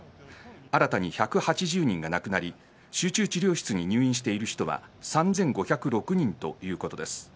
新たに１８０人が亡くなり集中し治療室に入院している人は３５０６人ということです。